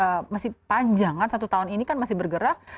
karena masih panjang kan satu tahun ini kan masih bergerak